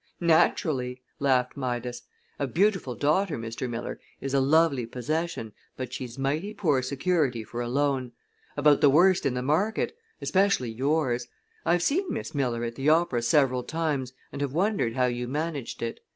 "Naturally," laughed Midas. "A beautiful daughter, Mr. Miller, is a lovely possession, but she's mighty poor security for a loan. About the worst in the market. Especially yours. I've seen Miss Miller at the opera several times and have wondered how you managed it.